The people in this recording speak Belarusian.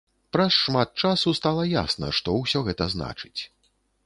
Праз шмат часу стала ясна, што ўсё гэта значыць.